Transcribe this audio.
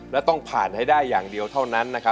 และต้องผ่านให้ได้อย่างเดียวเท่านั้น